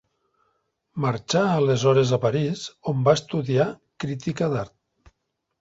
Marxà aleshores a París, on va estudiar crítica d'art.